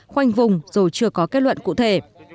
khoanh vùng rồi chưa có kết luận cụ thể